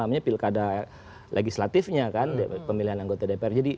karena ada legislatifnya kan pemilihan anggota dpr